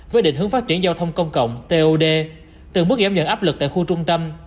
với định hướng phát triển giao thông công cộng tod từng bước giảm nhận áp lực tại khu trung tâm